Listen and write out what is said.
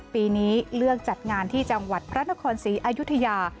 ปีนี้เลือกจัดงานที่จังหวัดพระนครศรีอายุทยา